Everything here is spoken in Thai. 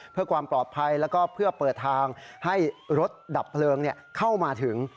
เพื่อความปลอดภัยแล้วก็เพื่อเปิดทางให้รถดับเพลิงเข้ามาถึง